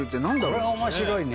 これは面白いね。